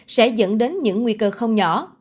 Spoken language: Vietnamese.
sẽ dẫn đến những nguy cơ không nhỏ